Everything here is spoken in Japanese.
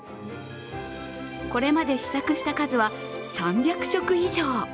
これまで試作した数は３００食以上。